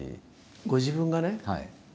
ご自分がね